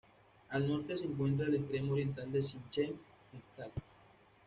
Al norte se encuentra el extremo oriental del Siachen Muztagh.